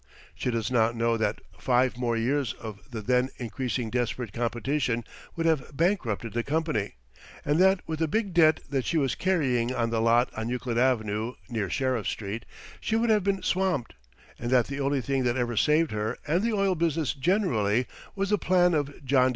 She does not know that five more years of the then increasing desperate competition would have bankrupted the company, and that with the big debt that she was carrying on the lot on Euclid Avenue, near Sheriff Street, she would have been swamped, and that the only thing that ever saved her and the oil business generally was the plan of John D.